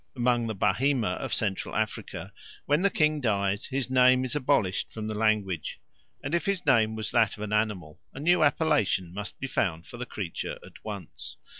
Among the Bahima of Central Africa, when the king dies, his name is abolished from the language, and if his name was that of an animal, a new appellation must be found for the creature at once.